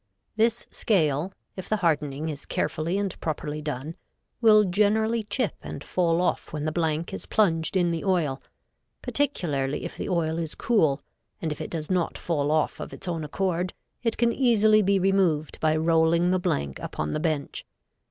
This scale, if the hardening is carefully and properly done, will generally chip and fall off when the blank is plunged in the oil, particularly if the oil is cool, and if it does not fall off of its own accord, it can easily be removed by rolling the blank upon the bench.